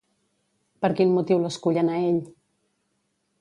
Per quin motiu l'escullen a ell?